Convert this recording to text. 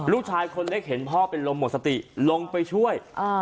ลูกชายคนเล็กเห็นพ่อเป็นลมหมดสติลงไปช่วย